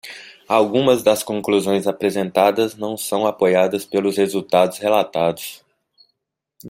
Algumas das conclusões apresentadas não são apoiadas pelos resultados relatados.